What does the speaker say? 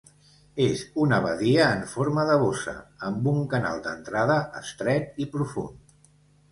És una badia en forma de bossa amb un canal d'entrada estret i profund.